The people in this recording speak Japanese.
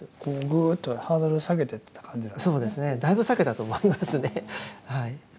だいぶ下げたと思いますねはい。